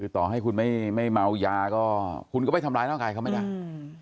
ต่อให้คุณไม่ไม่เมายาก็คุณก็ไปทำร้ายร่างกายเขาไม่ได้อืม